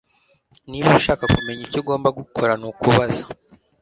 Niba ushaka kumenya icyo ugomba gukora nukubaza